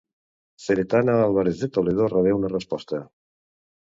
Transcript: Ceretana Álvarez de Toledo rebé una resposta.